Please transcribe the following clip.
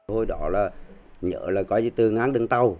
hồi đó là nhỡ là coi như từ ngán đường tàu